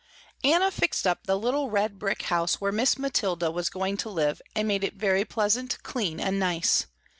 Anna fixed up the little red brick house where Miss Mathilda was going to live and made it very pleasant, clean and nice.